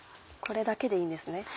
これだけでいいんですね。